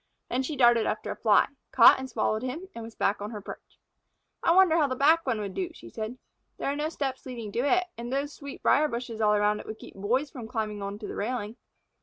Then she darted after a Fly, caught and swallowed him, and was back on her perch. "I wonder how the back one would do?" she said. "There are no steps leading to it, and those sweetbrier bushes all around it would keep Boys from climbing onto the railing."